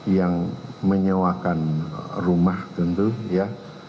yang menyewakan rumah tentu ya